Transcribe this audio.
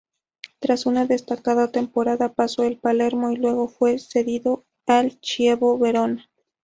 Tras una destacada temporada, pasó al Palermo y luego fue cedido al Chievo Verona.